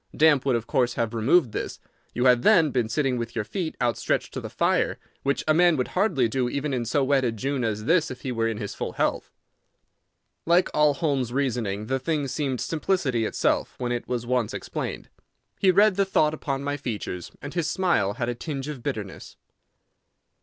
Damp would of course have removed this. You had, then, been sitting with your feet outstretched to the fire, which a man would hardly do even in so wet a June as this if he were in his full health." Like all Holmes's reasoning the thing seemed simplicity itself when it was once explained. He read the thought upon my features, and his smile had a tinge of bitterness.